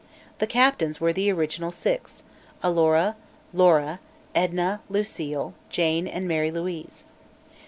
The captains were the original six Alora, Laura, Edna, Lucile, Jane and Mary Louise.